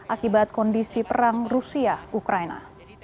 akibat kondisi perang rusia ukraina